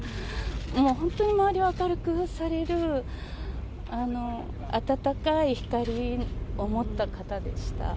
もう本当に周りを明るくされる、温かい光を持った方でした。